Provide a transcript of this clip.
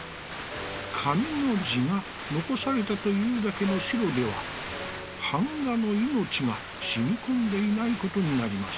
紙の地が残されたというだけの白では、板画の生命がしみこんでいないことになります。